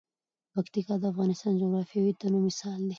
پکتیا د افغانستان د جغرافیوي تنوع مثال دی.